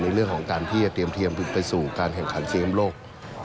ในเรื่องของการที่จะเตรียมไปสู่การแข่งขันเซียนโลก